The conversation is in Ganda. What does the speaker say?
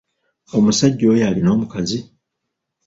Omusajja oyo alina omukazi?